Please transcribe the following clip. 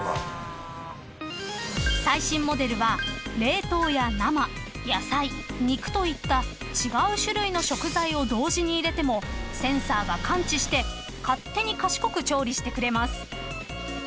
［最新モデルは冷凍や生野菜肉といった違う種類の食材を同時に入れてもセンサーが感知して勝手に賢く調理してくれます］